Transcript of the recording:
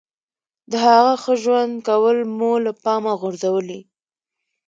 د هغه ښه ژوند کول مو له پامه غورځولي.